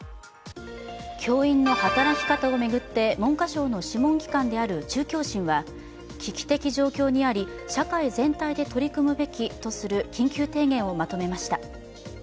教員の働き方を巡って、文科省の諮問機関である中教審は危機的状況にあり、社会全体で取り組むべきとする緊急提言をまとめました。